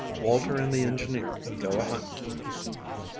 WALTER AND THE ENGINEER GO A HUNTING.